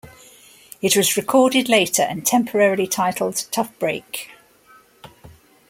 It was recorded later and temporarily titled "Tough Break".